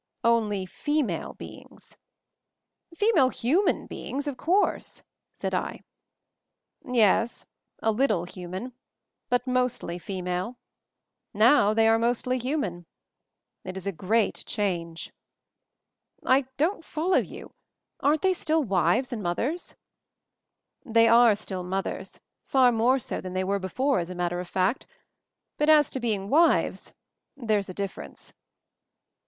"Only female beings." "Female human beings, of course," said I. "Yes; a little human, but mostly female. Now they are mostly human. It is a great change." "I don't follow you. Aren't they still wives and mothers?" 102 MOVING THE MOUNTAIN "They are still mothers — far more so than they were before, as a matter of fact ; but as to being wives — there's a difference."